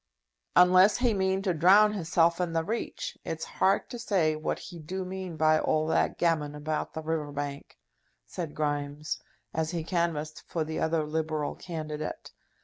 "Unless he mean to drown hisself in the Reach, it's hard to say what he do mean by all that gammon about the River Bank," said Grimes, as he canvassed for the other Liberal candidate.